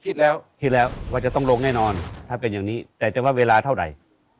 คิดแล้วคิดแล้วว่าจะต้องลงแน่นอนถ้าเป็นอย่างนี้แต่จะว่าเวลาเท่าไหร่